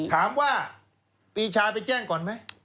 ถามว่าปีชาไปแจ้งก่อนไหม